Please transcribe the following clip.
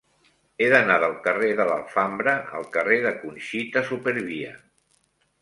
He d'anar del carrer de l'Alfambra al carrer de Conxita Supervia.